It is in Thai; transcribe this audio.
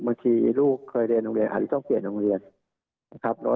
บางทีลูกเคยเรียนโรงเรียนอาจจะต้องเปลี่ยนโรงเรียนนะครับ